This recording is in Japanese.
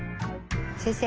先生。